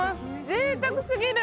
ぜいたくすぎる！